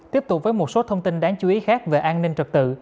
tiếp tục với một số thông tin đáng chú ý khác về an ninh trật tự